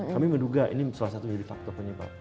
kami menduga ini salah satu jadi faktor penyebab